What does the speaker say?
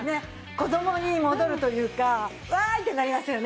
子供に戻るというかわーい！ってなりますよね。